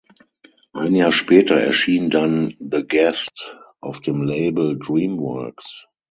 Ein Jahr später erschien dann "The Guest" auf dem Label Dreamworks.